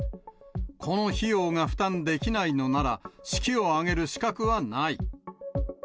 この費用が負担できないのなら、式を挙げる資格はない。